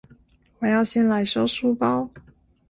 我要先來收書包